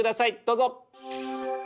どうぞ！